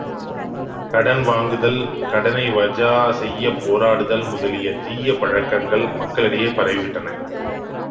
கடன் வாங்குதல், கடனை வஜா செய்யப் போராடுதல் முதலிய தீய பழக்கங்கள் மக்களிடையே பரவிவிட்டன!